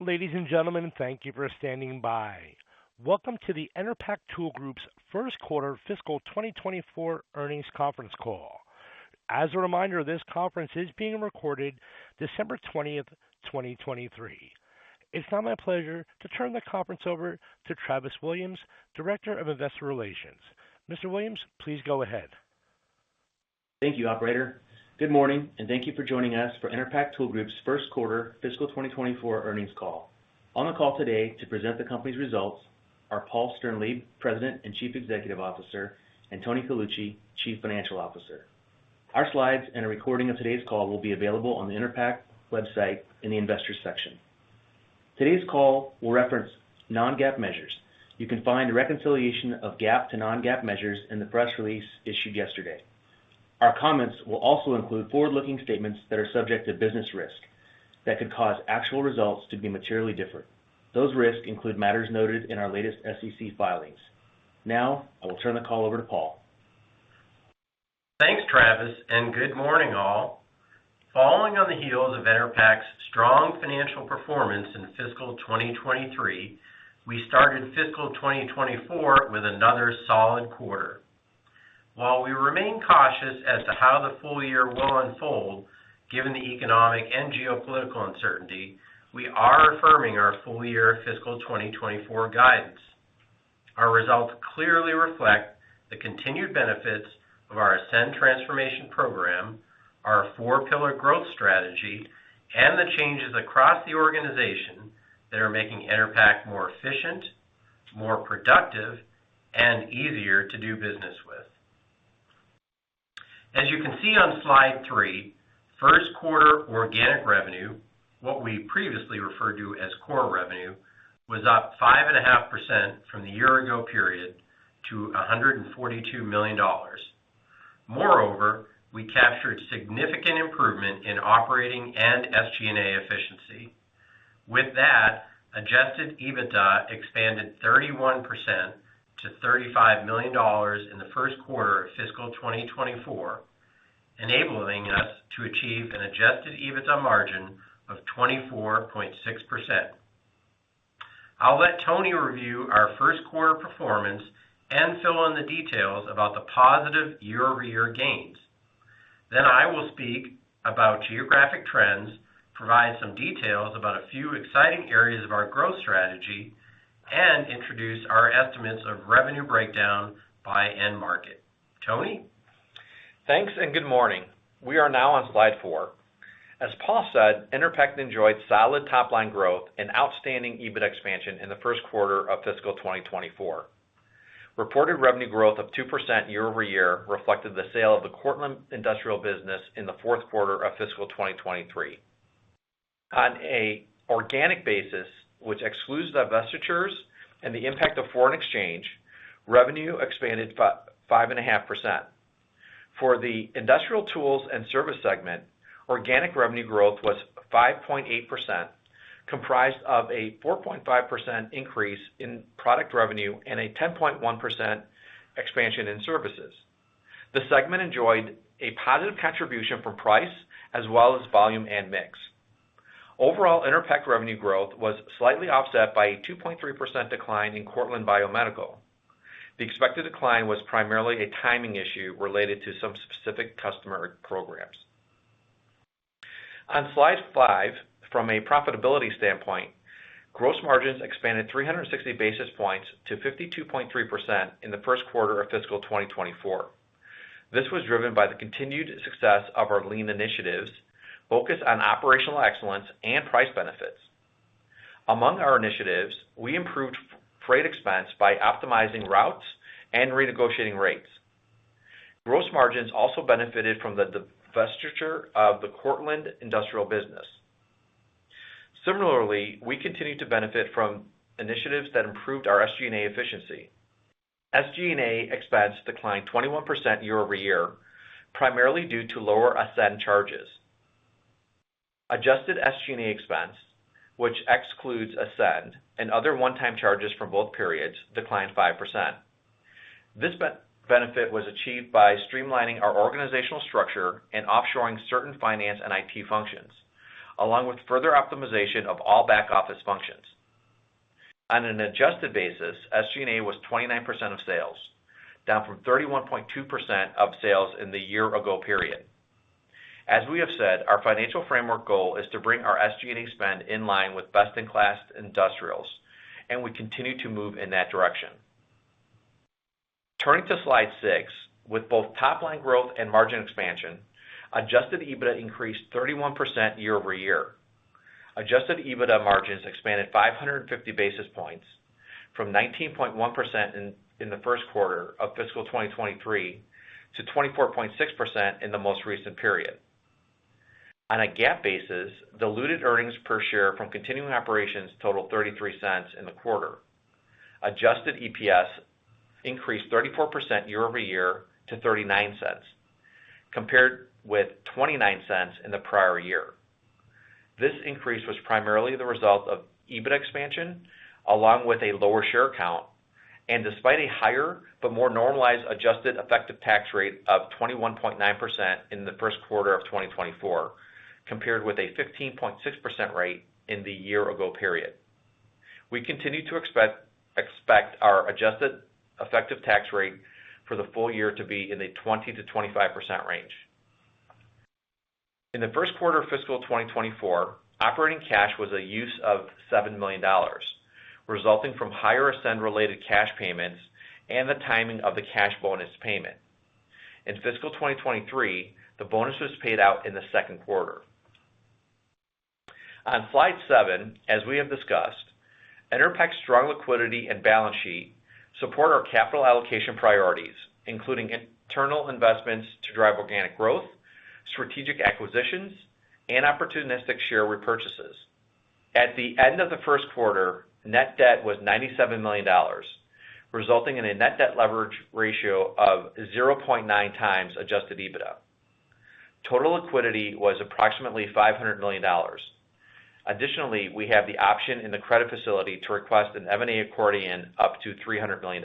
Ladies and gentlemen, thank you for standing by. Welcome to the Enerpac Tool Group's First Quarter Fiscal 2024 Earnings Conference Call.. As a reminder, this conference is being recorded December 20, 2023. It's now my pleasure to turn the conference over to Travis Williams, Director of Investor Relations. Mr. Williams, please go ahead. Thank you, operator. Good morning, and thank you for joining us for Enerpac Tool Group's First Quarter Fiscal 2024 Earnings Call.. On the call today to present the company's results are Paul Sternlieb, President and Chief Executive Officer, and Tony Colucci, Chief Financial Officer. Our slides and a recording of today's call will be available on the Enerpac website in the Investors section. Today's call will reference non-GAAP measures. You can find a reconciliation of GAAP to non-GAAP measures in the press release issued yesterday. Our comments will also include forward-looking statements that are subject to business risk that could cause actual results to be materially different. Those risks include matters noted in our latest SEC filings. Now, I will turn the call over to Paul. Thanks, Travis, and good morning, all. Following on the heels of Enerpac's strong financial performance in fiscal 2023, we started fiscal 2024 with another solid quarter. While we remain cautious as to how the full year will unfold, given the economic and geopolitical uncertainty, we are affirming our full-year fiscal 2024 guidance. Our results clearly reflect the continued benefits of our Ascend Transformation program, our four pillar growth strategy, and the changes across the organization that are making Enerpac more efficient, more productive, and easier to do business with. As you can see on slide three, first quarter organic revenue, what we previously referred to as core revenue, was up 5.5% from the year ago period to $142 million. Moreover, we captured significant improvement in operating and SG&A efficiency. With that, Adjusted EBITDA expanded 31% to $35 million in the first quarter of fiscal 2024, enabling us to achieve an Adjusted EBITDA margin of 24.6%. I'll let Tony review our first quarter performance and fill in the details about the positive year-over-year gains. Then I will speak about geographic trends, provide some details about a few exciting areas of our growth strategy, and introduce our estimates of revenue breakdown by end market. Tony? Thanks, and good morning. We are now on slide four. As Paul said, Enerpac enjoyed solid top-line growth and outstanding EBIT expansion in the first quarter of fiscal 2024. Reported revenue growth of 2% year-over-year reflected the sale of the Cortland Industrial business in the fourth quarter of fiscal 2023. On an organic basis, which excludes divestitures and the impact of foreign exchange, revenue expanded five and a half percent. For the industrial tools and service segment, organic revenue growth was 5.8%, comprised of a 4.5% increase in product revenue and a 10.1% expansion in services. The segment enjoyed a positive contribution from price as well as volume and mix. Overall, Enerpac revenue growth was slightly offset by a 2.3% decline in Cortland Biomedical. The expected decline was primarily a timing issue related to some specific customer programs. On slide five, from a profitability standpoint, gross margins expanded 360 basis points to 52.3% in the first quarter of fiscal 2024. This was driven by the continued success of our Lean initiatives, focus on operational excellence and price benefits. Among our initiatives, we improved freight expense by optimizing routes and renegotiating rates. Gross margins also benefited from the divestiture of the Cortland Industrial business. Similarly, we continued to benefit from initiatives that improved our SG&A efficiency. SG&A expense declined 21% year-over-year, primarily due to lower Ascend charges. Adjusted SG&A expense, which excludes Ascend and other one-time charges from both periods, declined 5%. This benefit was achieved by streamlining our organizational structure and offshoring certain finance and IT functions, along with further optimization of all back-office functions. On an adjusted basis, SG&A was 29% of sales, down from 31.2% of sales in the year ago period. As we have said, our financial framework goal is to bring our SG&A spend in line with best-in-class industrials, and we continue to move in that direction. Turning to slide six, with both top-line growth and margin expansion, adjusted EBITDA increased 31% year-over-year. Adjusted EBITDA margins expanded 550 basis points from 19.1% in the first quarter of fiscal 2023 to 24.6% in the most recent period. On a GAAP basis, diluted earnings per share from continuing operations totaled $0.33 in the quarter. Adjusted EPS increased 34% year-over-year to $0.39, compared with $0.29 in the prior year. This increase was primarily the result of EBIT expansion, along with a lower share count and despite a higher but more normalized adjusted effective tax rate of 21.9% in the first quarter of 2024, compared with a 15.6% rate in the year ago period. We continue to expect our adjusted effective tax rate for the full year to be in the 20%-25% range. In the first quarter of fiscal 2024, operating cash was a use of $7 million, resulting from higher Ascend-related cash payments and the timing of the cash bonus payment. In fiscal 2023, the bonus was paid out in the second quarter. On slide seven, as we have discussed, Enerpac's strong liquidity and balance sheet support our capital allocation priorities, including internal investments to drive organic growth, strategic acquisitions, and opportunistic share repurchases. At the end of the first quarter, net debt was $97 million, resulting in a net debt leverage ratio of 0.9x Adjusted EBITDA. Total liquidity was approximately $500 million. Additionally, we have the option in the credit facility to request an M&A accordion up to $300 million.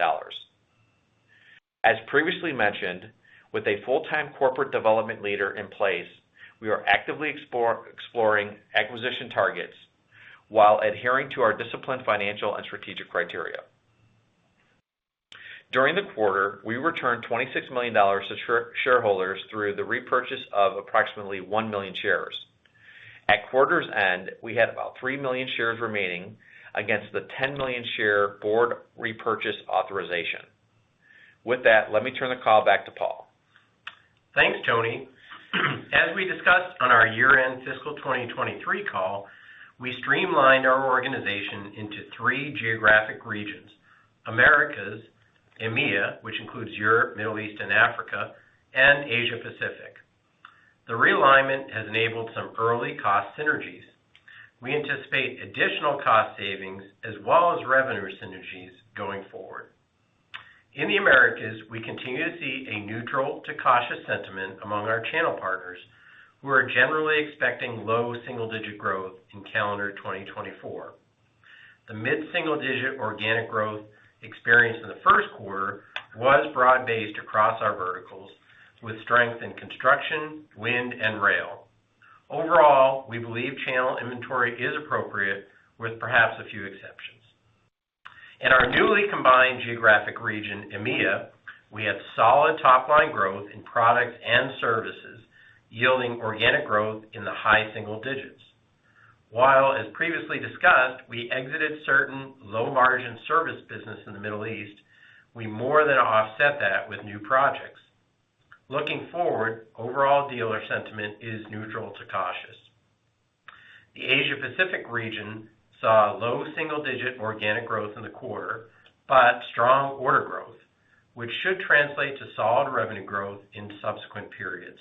As previously mentioned, with a full-time corporate development leader in place, we are actively exploring acquisition targets while adhering to our disciplined financial and strategic criteria. During the quarter, we returned $26 million to shareholders through the repurchase of approximately 1 million shares. At quarter's end, we had about 3 million shares remaining against the 10 million share board repurchase authorization. With that, let me turn the call back to Paul. Thanks, Tony. As we discussed on our year-end fiscal 2023 call, we streamlined our organization into three geographic regions: Americas, EMEA, which includes Europe, Middle East, Africa, and Asia Pacific. The realignment has enabled some early cost synergies. We anticipate additional cost savings as well as revenue synergies going forward. In the Americas, we continue to see a neutral to cautious sentiment among our channel partners, who are generally expecting low single-digit growth in calendar 2024. The mid-single-digit organic growth experienced in the first quarter was broad-based across our verticals, with strength in construction, wind, and rail. Overall, we believe channel inventory is appropriate, with perhaps a few exceptions. In our newly combined geographic region, EMEA, we had solid top-line growth in products and services, yielding organic growth in the high single digits. While, as previously discussed, we exited certain low-margin service business in the Middle East, we more than offset that with new projects. Looking forward, overall dealer sentiment is neutral to cautious. The Asia Pacific region saw low single-digit organic growth in the quarter, but strong order growth, which should translate to solid revenue growth in subsequent periods.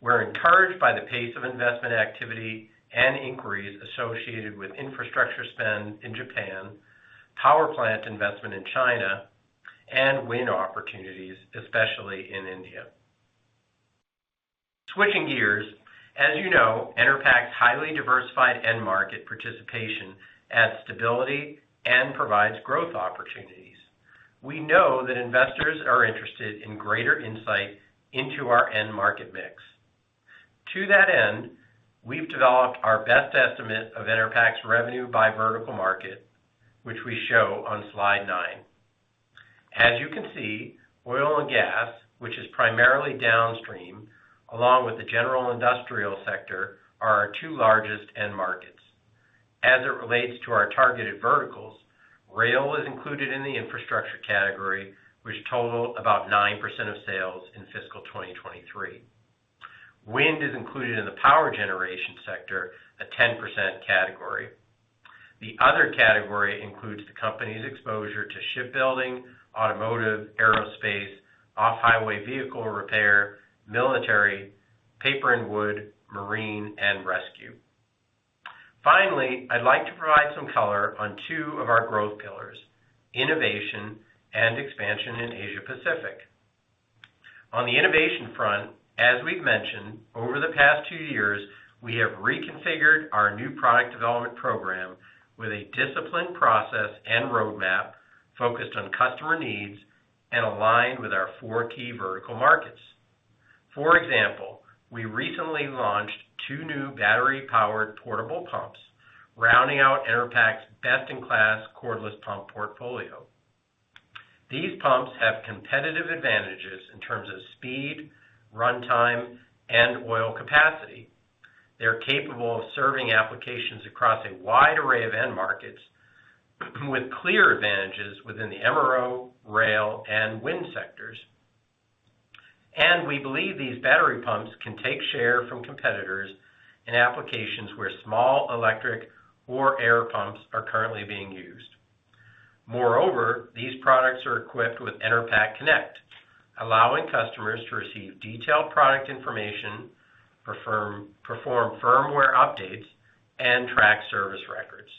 We're encouraged by the pace of investment activity and inquiries associated with infrastructure spend in Japan, power plant investment in China, and wind opportunities, especially in India. Switching gears, as you know, Enerpac's highly diversified end market participation adds stability and provides growth opportunities. We know that investors are interested in greater insight into our end market mix. To that end, we've developed our best estimate of Enerpac's revenue by vertical market, which we show on slide nine. As you can see, oil and gas, which is primarily downstream, along with the general industrial sector, are our two largest end markets. As it relates to our targeted verticals, rail is included in the infrastructure category, which total about 9% of sales in fiscal 2023. Wind is included in the power generation sector, a 10% category. The other category includes the company's exposure to shipbuilding, automotive, aerospace, off-highway vehicle repair, military, paper and wood, marine, and rescue. Finally, I'd like to provide some color on two of our growth pillars, innovation and expansion in Asia Pacific. On the innovation front, as we've mentioned, over the past two years, we have reconfigured our new product development program with a disciplined process and roadmap focused on customer needs and aligned with our four key vertical markets. For example, we recently launched two new battery-powered portable pumps, rounding out Enerpac's best-in-class cordless pump portfolio. These pumps have competitive advantages in terms of speed, runtime, and oil capacity. They're capable of serving applications across a wide array of end markets, with clear advantages within the MRO, rail, and wind sectors. And we believe these battery pumps can take share from competitors in applications where small electric or air pumps are currently being used. Moreover, these products are equipped with Enerpac Connect, allowing customers to receive detailed product information, perform firmware updates, and track service records.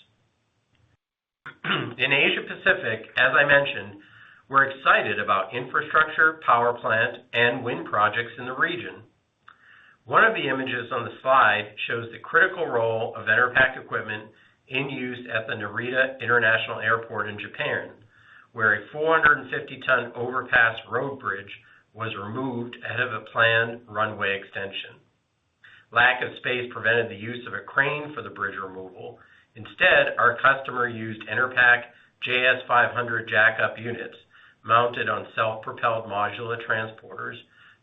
In Asia Pacific, as I mentioned, we're excited about infrastructure, power plant, and wind projects in the region. One of the images on the slide shows the critical role of Enerpac equipment in use at the Narita International Airport in Japan, where a 450-ton overpass road bridge was removed ahead of a planned runway extension. Lack of space prevented the use of a crane for the bridge removal. Instead, our customer used Enerpac JS-500 jack-up units mounted on self-propelled modular transporters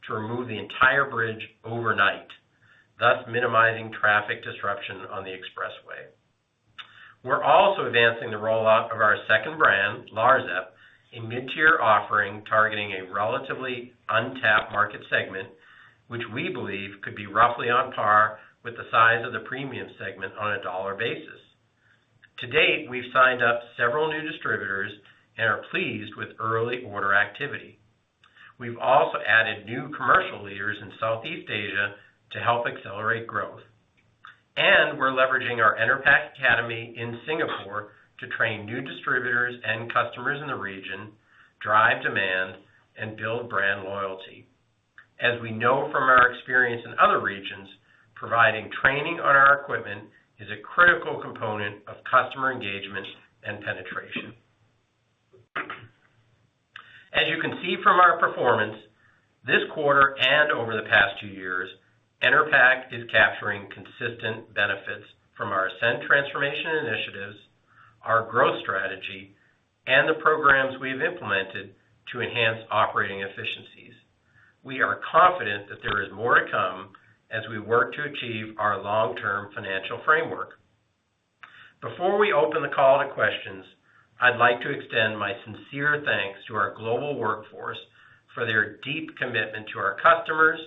to remove the entire bridge overnight, thus minimizing traffic disruption on the expressway. We're also advancing the rollout of our second brand, Larzep, a mid-tier offering targeting a relatively untapped market segment, which we believe could be roughly on par with the size of the premium segment on a dollar basis. To date, we've signed up several new distributors and are pleased with early order activity. We've also added new commercial leaders in Southeast Asia to help accelerate growth. We're leveraging our Enerpac Academy in Singapore to train new distributors and customers in the region, drive demand, and build brand loyalty. As we know from our experience in other regions, providing training on our equipment is a critical component of customer engagement and penetration. As you can see from our performance, this quarter and over the past two years, Enerpac is capturing consistent benefits from our Ascend transformation initiatives, our growth strategy, and the programs we've implemented to enhance operating efficiencies. We are confident that there is more to come as we work to achieve our long-term financial framework. Before we open the call to questions, I'd like to extend my sincere thanks to our global workforce for their deep commitment to our customers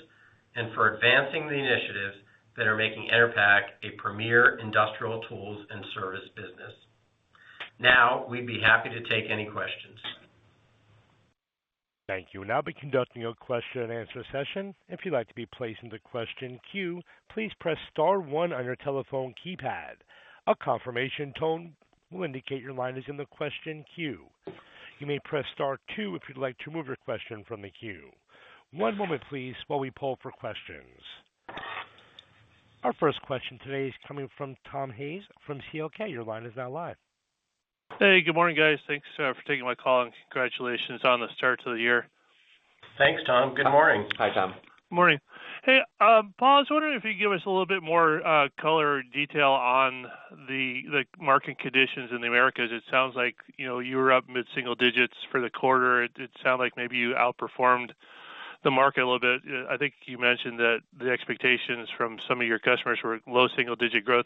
and for advancing the initiatives that are making Enerpac a premier industrial tools and service business. Now, we'd be happy to take any questions. Thank you. We'll now be conducting a question-and-answer session. If you'd like to be placed in the question queue, please press star one on your telephone keypad. A confirmation tone will indicate your line is in the question queue. You may press star two if you'd like to remove your question from the queue. One moment, please, while we pull for questions. Our first question today is coming from Tom Hayes from CL King. Your line is now live. Hey, good morning, guys. Thanks, for taking my call, and congratulations on the start to the year. Thanks, Tom. Good morning. Hi, Tom. Morning. Hey, Paul, I was wondering if you could give us a little bit more color or detail on the market conditions in the Americas. It sounds like, you know, you were up mid-single digits for the quarter. It sounded like maybe you outperformed the market a little bit. I think you mentioned that the expectations from some of your customers were low single-digit growth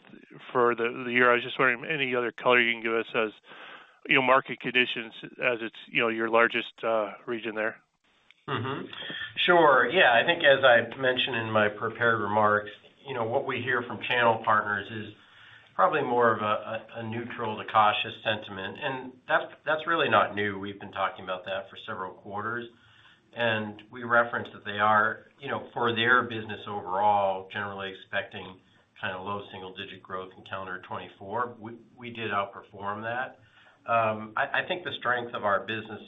for the year. I was just wondering, any other color you can give us as, you know, market conditions as it's, you know, your largest region there? Mm-hmm. Sure. Yeah. I think as I mentioned in my prepared remarks, you know, what we hear from channel partners is probably more of a neutral to cautious sentiment, and that's really not new. We've been talking about that for several quarters, and we referenced that they are, you know, for their business overall, generally expecting kind of low single-digit growth in calendar 2024. We did outperform that. I think the strength of our business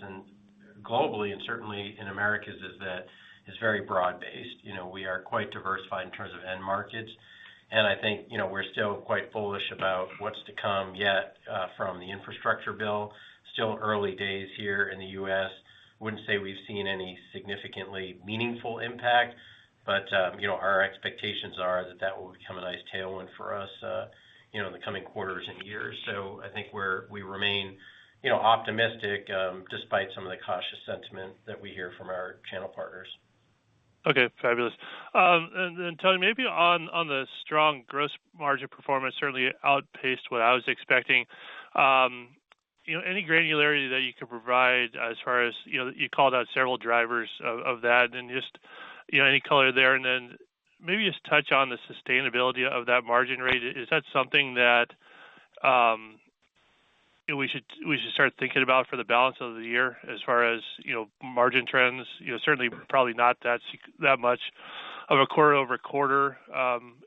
globally and certainly in Americas is that it's very broad-based. You know, we are quite diversified in terms of end markets, and I think, you know, we're still quite bullish about what's to come yet from the infrastructure bill. Still early days here in the U.S. Wouldn't say we've seen any significantly meaningful impact, but you know, our expectations are that that will become a nice tailwind for us, you know, in the coming quarters and years. So I think we remain, you know, optimistic, despite some of the cautious sentiment that we hear from our channel partners. Okay, fabulous. And then, Tony, maybe on, on the strong gross margin performance, certainly outpaced what I was expecting. You know, any granularity that you could provide as far as, you know, you called out several drivers of, of that and just, you know, any color there? And then maybe just touch on the sustainability of that margin rate. Is that something that, we should, we should start thinking about for the balance of the year as far as, you know, margin trends? You know, certainly, probably not that much of a quarter-over-quarter,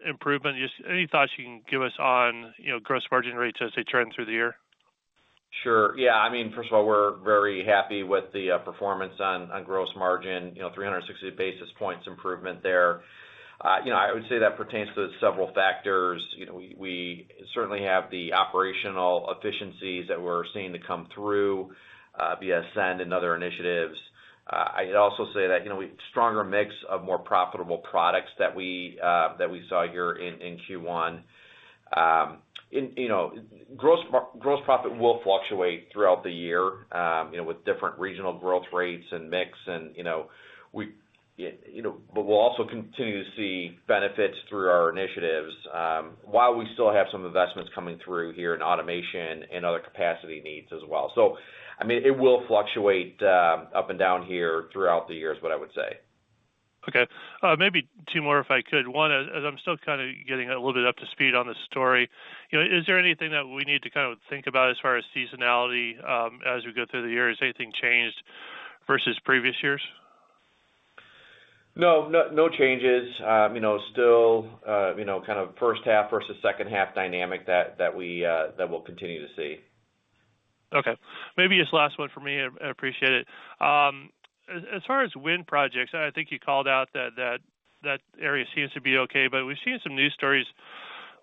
improvement. Just any thoughts you can give us on, you know, gross margin rates as they trend through the year? Sure. Yeah. I mean, first of all, we're very happy with the performance on gross margin, you know, 360 basis points improvement there. You know, I would say that pertains to several factors. You know, we certainly have the operational efficiencies that we're seeing to come through via Ascend and other initiatives. I'd also say that, you know, we've stronger mix of more profitable products that we saw here in Q1. And, you know, gross profit will fluctuate throughout the year, you know, with different regional growth rates and mix. But we'll also continue to see benefits through our initiatives, while we still have some investments coming through here in automation and other capacity needs as well. I mean, it will fluctuate up and down here throughout the year, is what I would say. Okay. Maybe two more, if I could. One, as I'm still kind of getting a little bit up to speed on the story, you know, is there anything that we need to kind of think about as far as seasonality, as we go through the year? Has anything changed versus previous years? No. No changes. You know, still, you know, kind of first half versus second half dynamic that, that we, that we'll continue to see.... Okay, maybe just last one for me. I appreciate it. As far as wind projects, I think you called out that area seems to be okay, but we've seen some news stories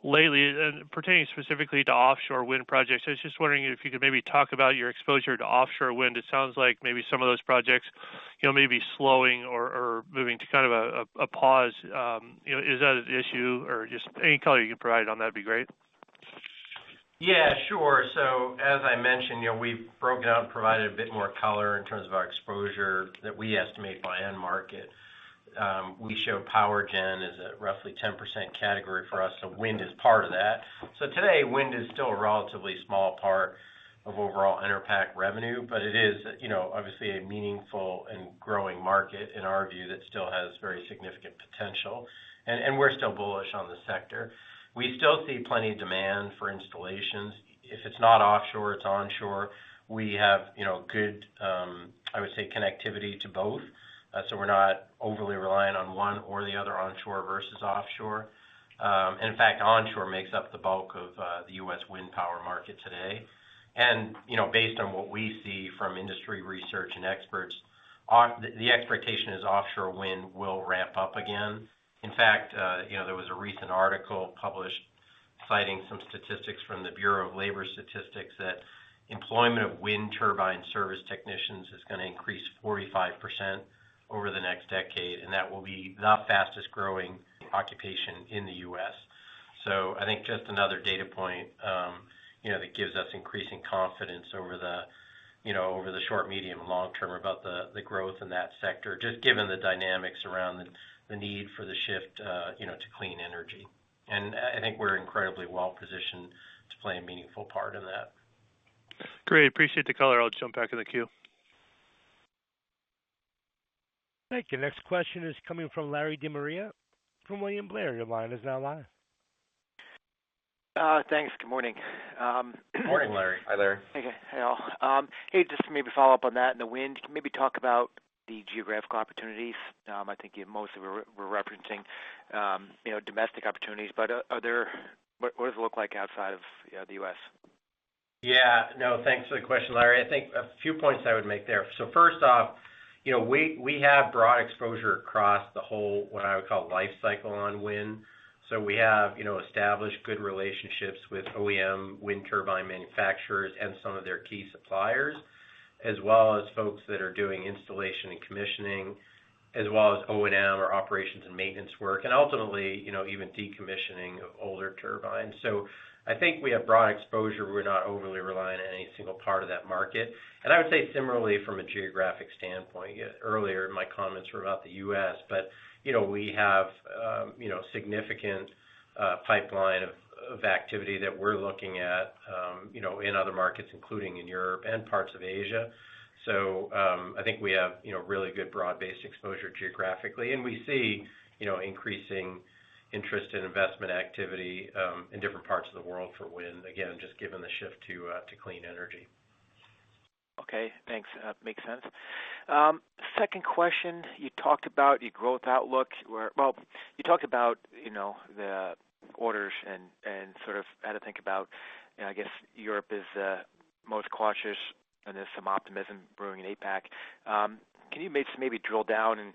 lately pertaining specifically to offshore wind projects. I was just wondering if you could maybe talk about your exposure to offshore wind. It sounds like maybe some of those projects, you know, may be slowing or moving to kind of a pause. You know, is that an issue? Or just any color you can provide on that'd be great. Yeah, sure. So as I mentioned, you know, we've broken out and provided a bit more color in terms of our exposure that we estimate by end market. We show power gen as a roughly 10% category for us, so wind is part of that. So today, wind is still a relatively small part of overall Enerpac revenue, but it is, you know, obviously a meaningful and growing market in our view, that still has very significant potential. And we're still bullish on the sector. We still see plenty of demand for installations. If it's not offshore, it's onshore. We have, you know, good, I would say, connectivity to both. So we're not overly reliant on one or the other, onshore versus offshore. And in fact, onshore makes up the bulk of the U.S. wind power market today. You know, based on what we see from industry research and experts, the expectation is offshore wind will ramp up again. In fact, you know, there was a recent article published citing some statistics from the Bureau of Labor Statistics, that employment of wind turbine service technicians is gonna increase 45% over the next decade, and that will be the fastest growing occupation in the U.S. So I think just another data point, you know, that gives us increasing confidence over the, you know, over the short, medium, and long term about the, the growth in that sector, just given the dynamics around the, the need for the shift, you know, to clean energy. And I, I think we're incredibly well-positioned to play a meaningful part in that. Great. Appreciate the color. I'll jump back in the queue. Thank you. Next question is coming from Larry De Maria from William Blair. Your line is now live. Thanks. Good morning. Morning, Larry. Hi, Larry. Hey, hello. Hey, just to maybe follow up on that, in the wind, can you maybe talk about the geographical opportunities? I think you mostly were referencing, you know, domestic opportunities, but are there... What does it look like outside of, you know, the U.S.? Yeah. No, thanks for the question, Larry. I think a few points I would make there. So first off, you know, we have broad exposure across the whole, what I would call, life cycle on wind. So we have, you know, established good relationships with OEM wind turbine manufacturers and some of their key suppliers, as well as folks that are doing installation and commissioning, as well as O&M, or operations and maintenance work, and ultimately, you know, even decommissioning of older turbines. So I think we have broad exposure. We're not overly reliant on any single part of that market. I would say similarly from a geographic standpoint, yet earlier in my comments were about the U.S., but, you know, we have, you know, significant pipeline of activity that we're looking at, you know, in other markets, including in Europe and parts of Asia. So, I think we have, you know, really good broad-based exposure geographically, and we see, you know, increasing interest and investment activity, in different parts of the world for wind. Again, just given the shift to clean energy. Okay, thanks. Makes sense. Second question, you talked about your growth outlook where... Well, you talked about, you know, the orders and, and sort of how to think about, and I guess Europe is most cautious, and there's some optimism brewing in APAC. Can you maybe drill down and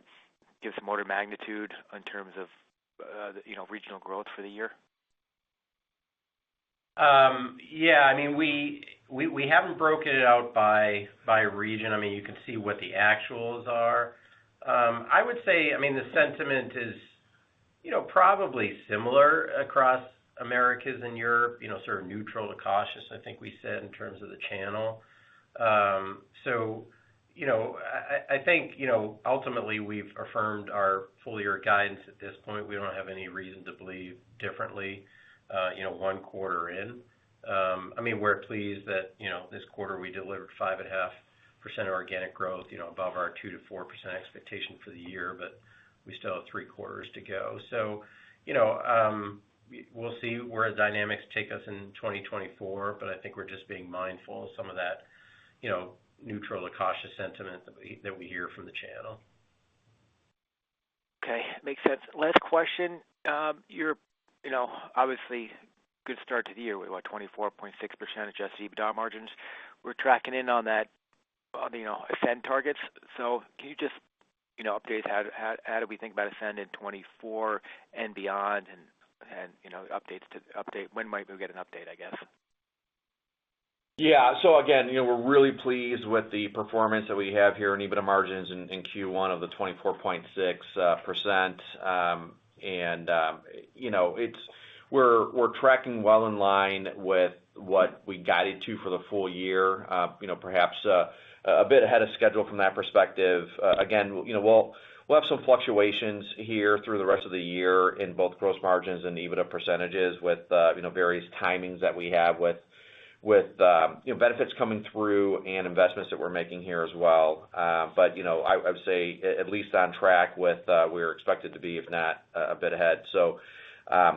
give some order of magnitude in terms of, you know, regional growth for the year? Yeah, I mean, we haven't broken it out by region. I mean, you can see what the actuals are. I would say, I mean, the sentiment is, you know, probably similar across Americas and Europe, you know, sort of neutral to cautious, I think we said, in terms of the channel. So, you know, I think, you know, ultimately, we've affirmed our full-year guidance. At this point, we don't have any reason to believe differently, you know, one quarter in. I mean, we're pleased that, you know, this quarter we delivered 5.5% organic growth, you know, above our 2%-4% expectation for the year, but we still have three quarters to go. You know, we'll see where the dynamics take us in 2024, but I think we're just being mindful of some of that, you know, neutral or cautious sentiment that we hear from the channel. Okay. Makes sense. Last question. You're, you know, obviously good start to the year with, what? 24.6% Adjusted EBITDA margins. We're tracking in on that, on, you know, Ascend targets. So can you just, you know, update how we think about Ascend in 2024 and beyond? And, you know, update—when might we get an update, I guess? Yeah. So again, you know, we're really pleased with the performance that we have here in EBITDA margins in Q1 of the 24.6%. And, you know, it's... We're tracking well in line with what we guided to for the full year. You know, perhaps a bit ahead of schedule from that perspective. Again, you know, we'll have some fluctuations here through the rest of the year in both gross margins and EBITDA percentages with, you know, various timings that we have with, you know, benefits coming through and investments that we're making here as well. But, you know, I would say at least on track with, we're expected to be, if not a bit ahead. So,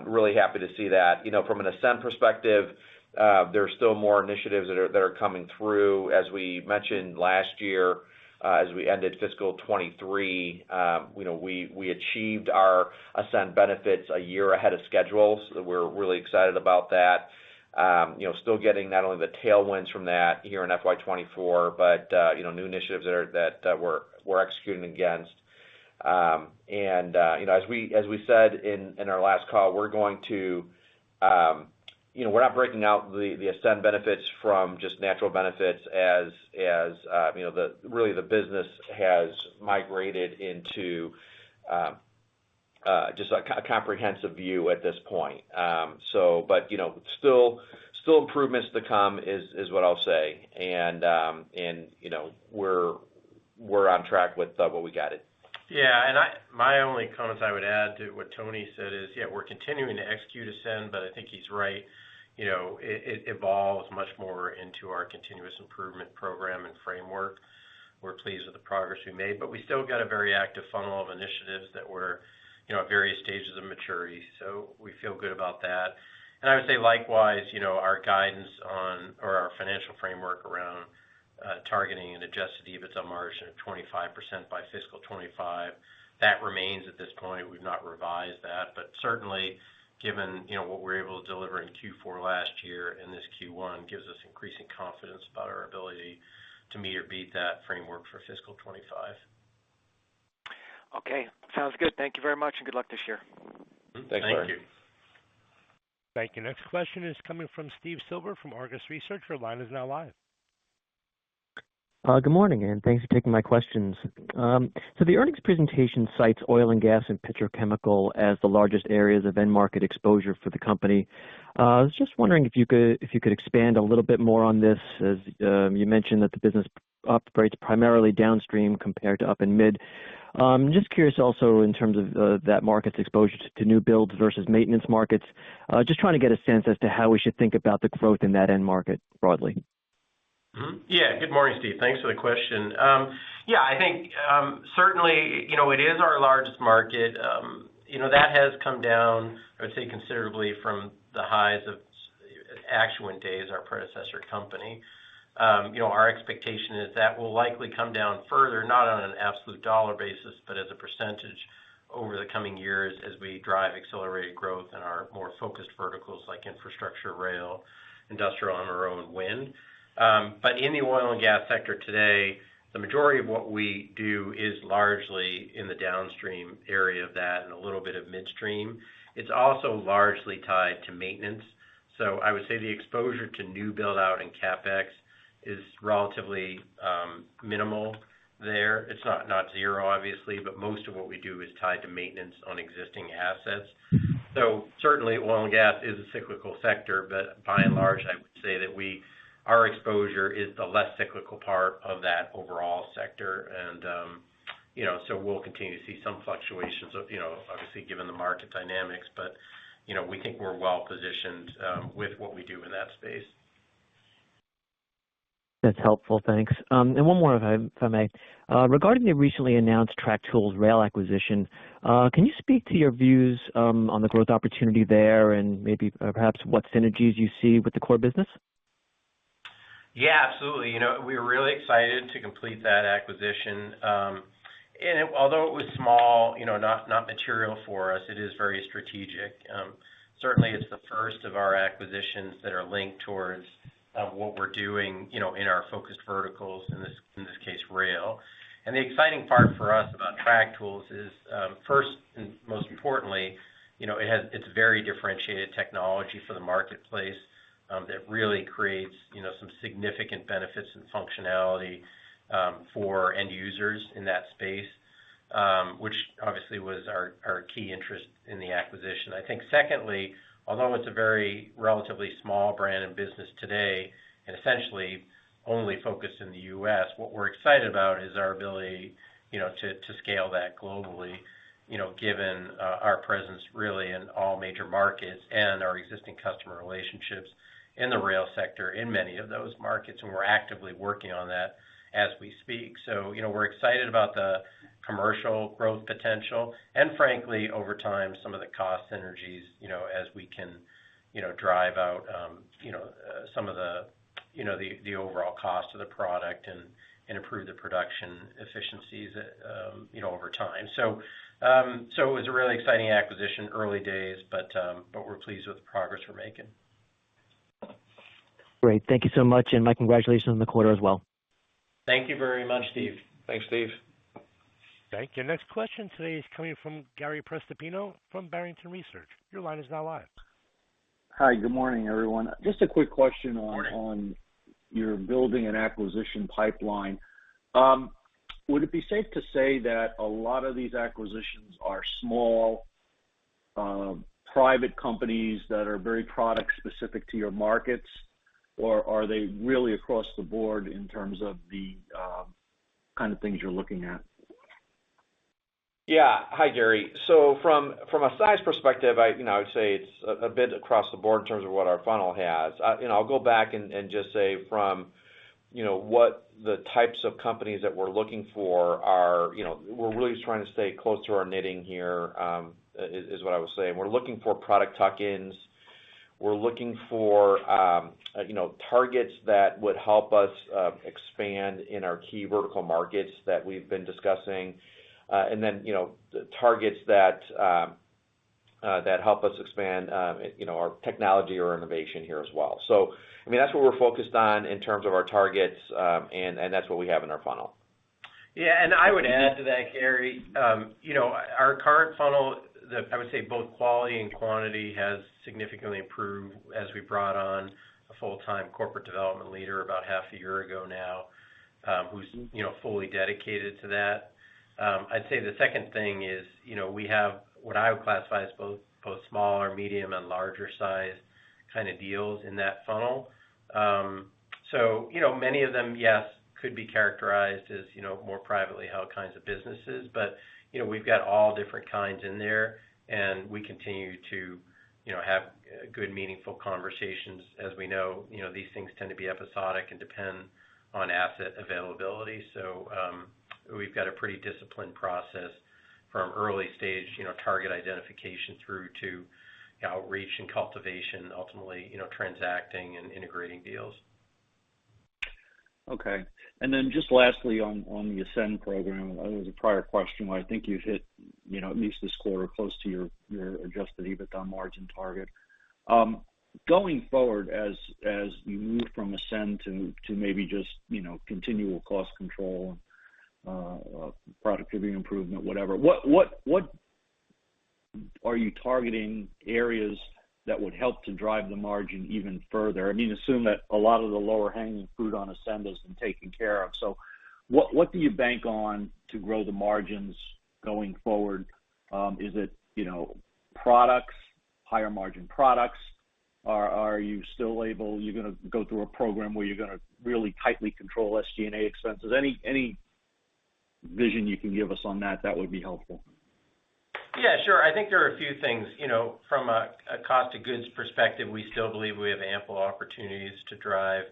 really happy to see that. You know, from an Ascend perspective, there are still more initiatives that are coming through. As we mentioned last year, as we ended fiscal 2023, you know, we achieved our Ascend benefits a year ahead of schedule, so we're... really excited about that. You know, still getting not only the tailwinds from that here in FY 2024, but, you know, new initiatives that that we're executing against. And, you know, as we said in our last call, we're going to, you know, we're not breaking out the Ascend benefits from just natural benefits, as, you know, the business has migrated into just a comprehensive view at this point. So but, you know, still improvements to come, is what I'll say. And, and, you know, we're on track with what we guided. Yeah, and I, my only comment I would add to what Tony said is, yeah, we're continuing to execute Ascend, but I think he's right. You know, it, it evolves much more into our continuous improvement program and framework. We're pleased with the progress we made, but we still got a very active funnel of initiatives that we're, you know, at various stages of maturity, so we feel good about that. And I would say, likewise, you know, our guidance on... or our financial framework around targeting an Adjusted EBITDA margin of 25% by fiscal 2025, that remains at this point. We've not revised that, but certainly, given, you know, what we were able to deliver in Q4 last year, and this Q1, gives us increasing confidence about our ability to meet or beat that framework for fiscal 2025. Okay, sounds good. Thank you very much, and good luck this year. Thanks, De Maria. Thank you. Thank you. Next question is coming from Steve Silver, from Argus Research. Your line is now live. Good morning, and thanks for taking my questions. So the earnings presentation cites oil and gas and petrochemical as the largest areas of end market exposure for the company. I was just wondering if you could, if you could expand a little bit more on this, as you mentioned that the business operates primarily downstream compared to up and mid. Just curious also in terms of that market's exposure to new builds versus maintenance markets. Just trying to get a sense as to how we should think about the growth in that end market, broadly. Mm-hmm. Yeah. Good morning, Steve. Thanks for the question. Yeah, I think, certainly, you know, it is our largest market. You know, that has come down, I would say, considerably from the highs of Actuant days, our predecessor company. You know, our expectation is that will likely come down further, not on an absolute dollar basis, but as a percentage over the coming years, as we drive accelerated growth in our more focused verticals, like infrastructure, rail, industrial, oil and wind. But in the oil and gas sector today, the majority of what we do is largely in the downstream area of that and a little bit of midstream. It's also largely tied to maintenance. So I would say the exposure to new build-out and CapEx is relatively minimal there. It's not, not zero, obviously, but most of what we do is tied to maintenance on existing assets. So certainly, oil and gas is a cyclical sector, but by and large, I would say that we, our exposure is the less cyclical part of that overall sector. And, you know, so we'll continue to see some fluctuations of, you know, obviously, given the market dynamics, but, you know, we think we're well positioned, with what we do in that space. That's helpful. Thanks. And one more, if I may. Regarding the recently announced Track Tools rail acquisition, can you speak to your views on the growth opportunity there and maybe perhaps what synergies you see with the core business? Yeah, absolutely. You know, we're really excited to complete that acquisition. And although it was small, you know, not, not material for us, it is very strategic. Certainly, it's the first of our acquisitions that are linked towards what we're doing, you know, in our focused verticals, in this, in this case, rail. And the exciting part for us about Track Tools is, first, and most importantly, you know, it's very differentiated technology for the marketplace that really creates, you know, some significant benefits and functionality for end users in that space, which obviously was our, our key interest in the acquisition. I think secondly, although it's a very relatively small brand and business today, and essentially only focused in the U.S., what we're excited about is our ability, you know, to scale that globally, you know, given our presence really in all major markets and our existing customer relationships in the rail sector, in many of those markets, and we're actively working on that as we speak. So, you know, we're excited about the commercial growth potential and frankly, over time, some of the cost synergies, you know, as we can, you know, drive out, you know, some of the, you know, the overall cost of the product and improve the production efficiencies, you know, over time. So, it was a really exciting acquisition. Early days, but we're pleased with the progress we're making. Great. Thank you so much, and my congratulations on the quarter as well. Thank you very much, Steve. Thanks, Steve. Thank you. Next question today is coming from Gary Prestopino from Barrington Research. Your line is now live. Hi, good morning, everyone. Just a quick question- Good morning... on your building and acquisition pipeline. Would it be safe to say that a lot of these acquisitions are small, private companies that are very product-specific to your markets? Or are they really across the board in terms of the kind of things you're looking at? Yeah. Hi, Gary. So from a size perspective, you know, I would say it's a bit across the board in terms of what our funnel has. You know, I'll go back and just say from what the types of companies that we're looking for are. You know, we're really trying to stay close to our knitting here, is what I would say. And we're looking for product tuck-ins. We're looking for targets that would help us expand in our key vertical markets that we've been discussing. And then, you know, targets that help us expand our technology or innovation here as well. So, I mean, that's what we're focused on in terms of our targets, and that's what we have in our funnel. Yeah, and I would add to that, Gary, you know, our current funnel, I would say both quality and quantity, has significantly improved as we brought on a full-time corporate development leader about half a year ago now, who's, you know, fully dedicated to that. I'd say the second thing is, you know, we have what I would classify as both, both small or medium and larger sized kind of deals in that funnel. So, you know, many of them, yes, could be characterized as, you know, more privately held kinds of businesses. But, you know, we've got all different kinds in there, and we continue to, you know, have good, meaningful conversations. As we know, you know, these things tend to be episodic and depend on asset availability. We've got a pretty disciplined process from early stage, you know, target identification through to outreach and cultivation, ultimately, you know, transacting and integrating deals. Okay. And then just lastly, on the Ascend program, it was a prior question, where I think you hit, you know, at least this quarter, close to your Adjusted EBITDA margin target. Going forward, as you move from Ascend to maybe just, you know, continual cost control, productivity improvement, whatever, what are you targeting areas that would help to drive the margin even further? I mean, assume that a lot of the low-hanging fruit on Ascend has been taken care of, so what do you bank on to grow the margins going forward? Is it, you know, products, higher margin products? Or are you still able--you're gonna go through a program where you're gonna really tightly control SG&A expenses? Any vision you can give us on that would be helpful. Yeah, sure. I think there are a few things. You know, from a cost of goods perspective, we still believe we have ample opportunities to drive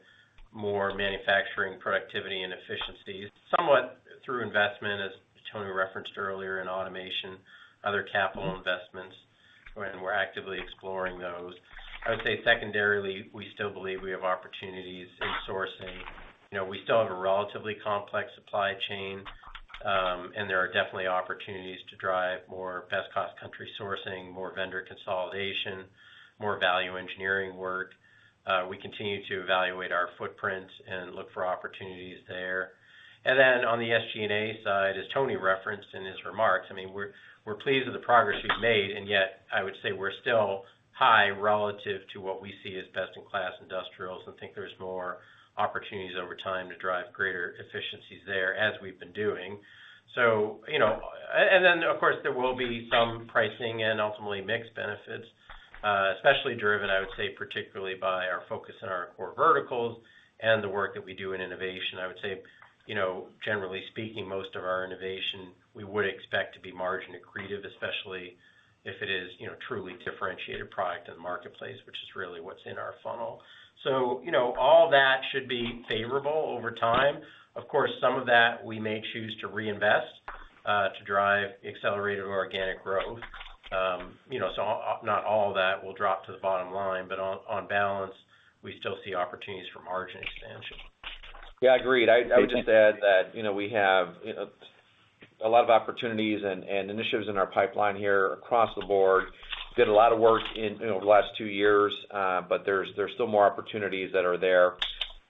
more manufacturing, productivity, and efficiency. Somewhat through investment, as Tony referenced earlier, in automation, other capital investments, and we're actively exploring those. I would say secondarily, we still believe we have opportunities in sourcing. You know, we still have a relatively complex supply chain, and there are definitely opportunities to drive more best-cost country sourcing, more vendor consolidation, more value engineering work. We continue to evaluate our footprints and look for opportunities there. And then on the SG&A side, as Tony referenced in his remarks, I mean, we're pleased with the progress we've made, and yet I would say we're still high relative to what we see as best-in-class industrials and think there's more opportunities over time to drive greater efficiencies there, as we've been doing. So, you know. And then, of course, there will be some pricing and ultimately mix benefits, especially driven, I would say, particularly by our focus on our core verticals and the work that we do in innovation. I would say, you know, generally speaking, most of our innovation, we would expect to be margin accretive, especially if it is, you know, truly differentiated product in the marketplace, which is really what's in our funnel. So, you know, all that should be favorable over time. Of course, some of that we may choose to reinvest, to drive accelerated organic growth. You know, so not all of that will drop to the bottom line, but on, on balance, we still see opportunities for margin expansion. Yeah, agreed. I would just add that, you know, we have a lot of opportunities and initiatives in our pipeline here across the board. Did a lot of work in, you know, the last two years, but there's still more opportunities that are there,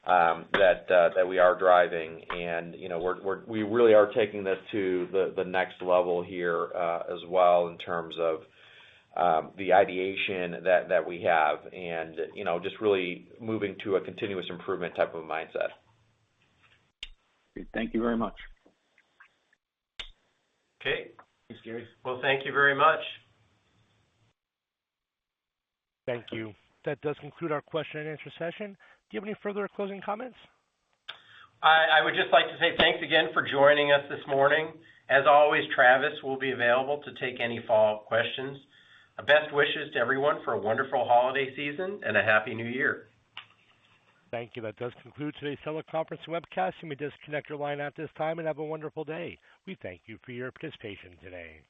that we are driving. And, you know, we're we really are taking this to the next level here, as well, in terms of the ideation that we have and, you know, just really moving to a continuous improvement type of mindset. Thank you very much. Okay. Thanks, Gary. Well, thank you very much. Thank you. That does conclude our question and answer session. Do you have any further closing comments? I would just like to say thanks again for joining us this morning. As always, Travis will be available to take any follow-up questions. Best wishes to everyone for a wonderful holiday season and a Happy New Year. Thank you. That does conclude today's teleconference webcast. You may disconnect your line at this time and have a wonderful day. We thank you for your participation today.